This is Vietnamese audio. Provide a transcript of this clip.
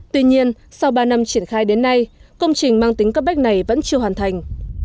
tuy nhiên sau ba năm triển khai đến nay công trình mang tính cấp bách này vẫn chưa hoàn thành